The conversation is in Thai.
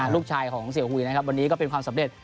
ลูกชายของเสียหุยนะครับวันนี้ก็เป็นความสำเร็จ